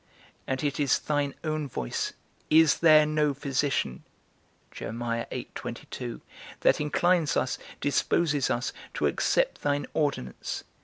And it is thine own voice, Is there no physician? that inclines us, disposes us, to accept thine ordinance.